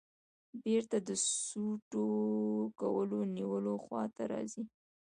بېرته د سوټو کولونیلو خواته راځې.